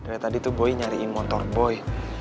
kayak tadi tuh boy nyariin motor boy